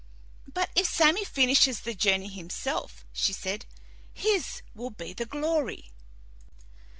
"But if Sammy finishes the journey himself," she said, "his will be the glory."